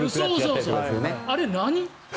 あれ、何？